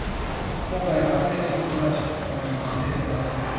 今回が初めてのことだし本人も反省してます。